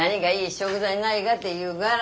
食材ないがって言うがら。